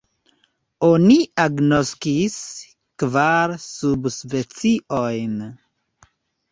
Oni agnoskis kvar subspeciojn.